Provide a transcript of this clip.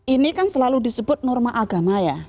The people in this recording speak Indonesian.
ini kan selalu disebut norma agama ya